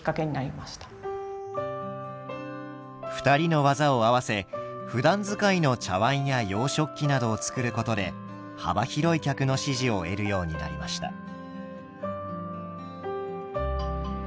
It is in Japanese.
２人の技を合わせふだん使いの茶わんや洋食器などを作ることで幅広い客の支持を得るようになりました。